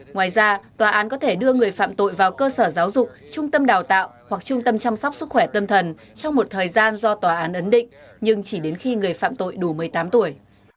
ngoài ra tòa án có thể đưa người phạm tội vào cơ sở giáo dục trung tâm đào tạo hoặc trung tâm chăm sóc sức khỏe tâm thần trong một thời gian do tòa án ấn định nhưng chỉ đến khi người phạm tội đủ một mươi tám tuổi